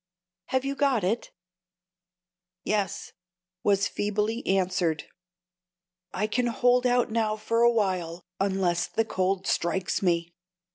Have you got it?" "Yes," was feebly answered. "I can hold out now for a while, unless the cold strikes me."